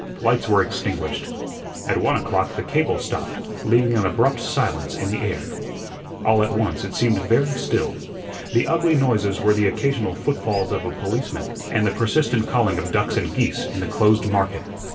Lights were extinguished. At one o'clock the cable stopped, leaving an abrupt silence in the air. All at once it seemed very still. The ugly noises were the occasional footfalls of a policeman and the persistent calling of ducks and geese in the closed market.